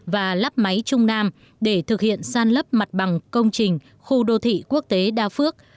và lắp máy trung nam để thực hiện san lấp mặt bằng công trình khu đô thị quốc tế đa phước